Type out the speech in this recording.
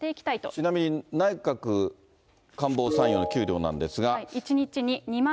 ちなみに内閣官房参与の給料なんですが。